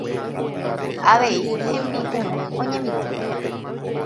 Avei hembi'urã oñemitỹ.